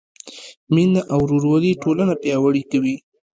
مینه او ورورولي ټولنه پیاوړې کوي.